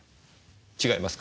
違いますか？